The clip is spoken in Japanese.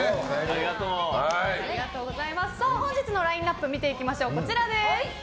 本日のラインアップ見ていきましょう。